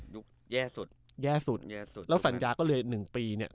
แย่สุดแย่สุดแย่สุดแล้วสัญญาก็เลยหนึ่งปีเนี่ย